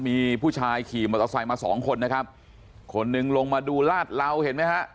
มีผู้ชายขี่มอเตอร์ไซค์มาสองคนนะครับคนหนึ่งลงมาดูลาดเหลาเห็นไหมฮะ